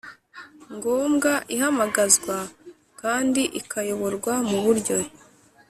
ngombwa Ihamagazwa kandi ikayoborwa mu buryo